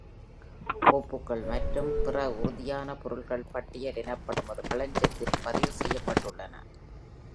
கோப்புகள் மற்றும் பிற உறுதியான பொருள்கள் பட்டியல் எனப்படும் ஒரு களஞ்சியத்தில் பதிவு செய்யப்பட்டுள்ளன.